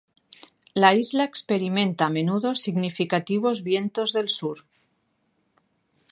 La isla experimenta a menudo significativos vientos del sur.